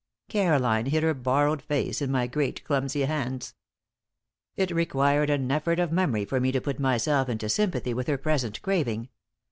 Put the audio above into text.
Caroline hid her borrowed face in my great, clumsy hands. It required an effort of memory for me to put myself into sympathy with her present craving.